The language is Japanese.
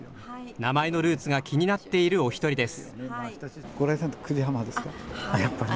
名前のルーツが気になっているお一人です。